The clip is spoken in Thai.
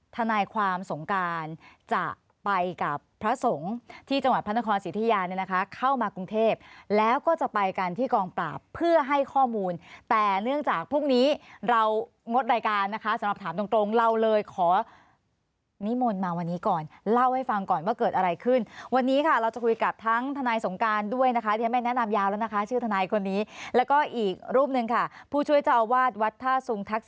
ทนายความสงการจะไปกับพระสงฆ์ที่จังหวัดพระนครสิทธิยาเนี่ยนะคะเข้ามากรุงเทพแล้วก็จะไปกันที่กองปราบเพื่อให้ข้อมูลแต่เนื่องจากพรุ่งนี้เรางดรายการนะคะสำหรับถามตรงตรงเราเลยขอนิมนต์มาวันนี้ก่อนเล่าให้ฟังก่อนว่าเกิดอะไรขึ้นวันนี้ค่ะเราจะคุยกับทั้งทนายสงการด้วยนะคะที่ฉันไม่แนะนำยาวแล้วนะคะชื่อทนายคนนี้แล้วก็อีกรูปหนึ่งค่ะผู้ช่วยเจ้าอาวาสวัดท่าซุงทักษ